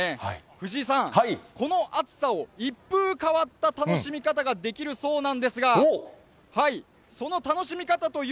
藤井さん、この暑さを、一風変わった楽しみ方ができるそうなんですが、その楽しみ方とい